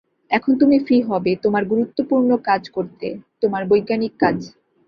এখন তুমি ফ্রি হবে তোমার গুরুত্বপূর্ণ কাজ করতে, তোমার বৈজ্ঞানিক কাজ।